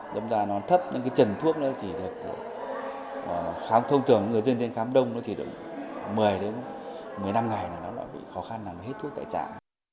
đóng đó nó thấp những cái trần thuốc đó chỉ được thông thường người dân dân khám đông nó chỉ được một mươi một mươi năm ngày là nó bị khó khăn là nó hết thuốc tại trại